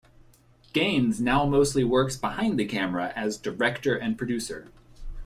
Gaines now mostly work behind the camera as director and producer.